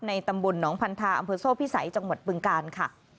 ตำบลหนองพันธาอำเภอโซ่พิสัยจังหวัดบึงกาลค่ะ